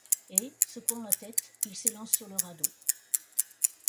Et, secouant la tête, il s’élance sur le radeau.